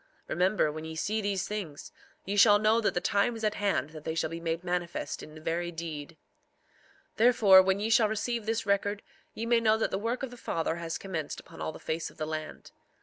Remember, when ye see these things, ye shall know that the time is at hand that they shall be made manifest in very deed. 4:17 Therefore, when ye shall receive this record ye may know that the work of the Father has commenced upon all the face of the land.